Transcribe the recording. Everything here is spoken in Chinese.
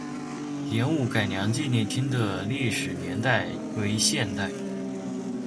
盐务改良纪念亭的历史年代为现代。